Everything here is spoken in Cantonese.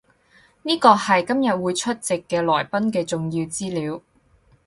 呢個係今日會出席嘅來賓嘅重要資料